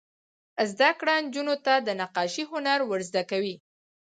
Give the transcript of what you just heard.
زده کړه نجونو ته د نقاشۍ هنر ور زده کوي.